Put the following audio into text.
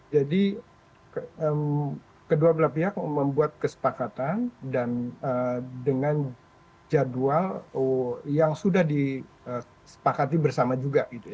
jadi kedua belah pihak membuat kesepakatan dan dengan jadwal yang sudah disepakati bersama juga gitu ya